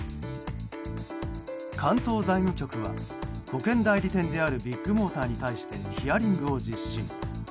関東財務局は保険代理店であるビッグモーターに対してヒアリングを実施。